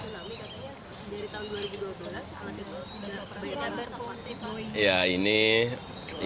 alat pendeteksi tsunami dari tahun dua ribu dua belas